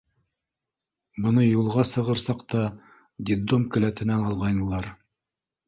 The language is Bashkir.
Быны юлға сығыр саҡта детдом келәтенән алғайнылар.